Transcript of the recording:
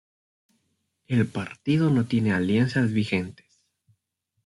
El partido no tiene alianzas vigentes.